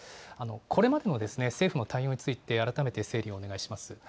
これまでの政府の対応について、改めて整理をお願いします。